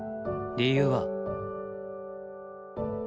理由は。